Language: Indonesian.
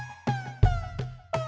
aku buat seperti ini selama ini